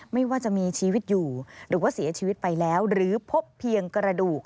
ไม่ว่าจะมีชีวิตอยู่หรือว่าเสียชีวิตไปแล้วหรือพบเพียงกระดูก